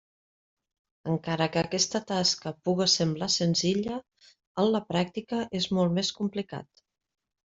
Encara que aquesta tasca puga semblar senzilla, en la pràctica és molt més complicat.